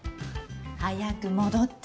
早く戻って。